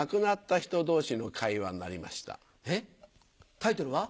タイトルは？